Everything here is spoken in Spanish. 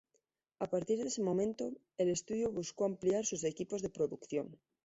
A partir de ese momento, el estudio buscó ampliar sus equipos de producción.